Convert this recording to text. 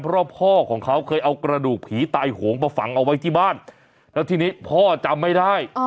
เพราะพ่อของเขาเคยเอากระดูกผีตายโหงมาฝังเอาไว้ที่บ้านแล้วทีนี้พ่อจำไม่ได้